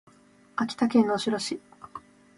秋田県能代市